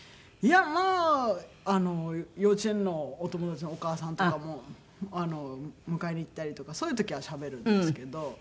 いやまあ幼稚園のお友達のお母さんとかも迎えに行ったりとかそういう時はしゃべるんですけど。